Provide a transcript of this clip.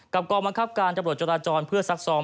กองบังคับการตำรวจจราจรเพื่อซักซอง